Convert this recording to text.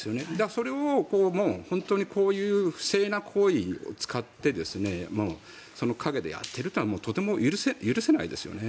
それを本当にこういう不正な行為を使ってその陰でやっているというのはとても許せないですよね。